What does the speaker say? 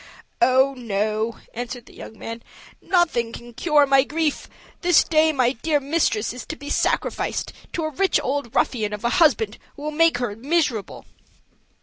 "Oh, sir," answered the young man, "nothing can cure my grief; this day my dear mistress is to be sacrificed to a rich old ruffian of a husband who will make her miserable."